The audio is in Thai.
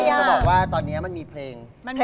จะบอกว่าตอนนี้มันมีเพลง